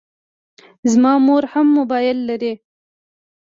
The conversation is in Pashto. زما مور هم موبایل لري.